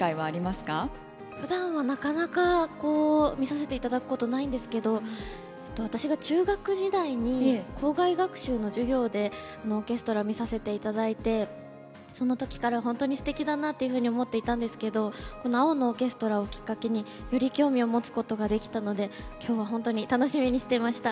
ふだんはなかなかこう見させて頂くことないんですけど私が中学時代に校外学習の授業でオーケストラ見させて頂いてその時からほんとにすてきだなっていうふうに思っていたんですけどこの「青のオーケストラ」をきっかけにより興味を持つことができたので今日はほんとに楽しみにしてました。